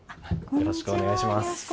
よろしくお願いします。